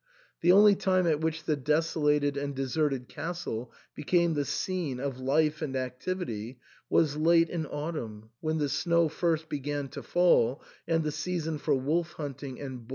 The only time at which the desolated and deserted castle became the scene of life and activity was late in autumn, when the snow first began to fall and the sea son for wolf hunting and boar hunting arrived.